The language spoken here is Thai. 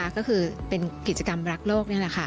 ก็คือเป็นกิจกรรมรักโลกนี่แหละค่ะ